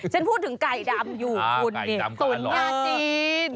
ฉันพูดถึงไก่ดำอยู่คุณนี่ตุ๋นยาจีน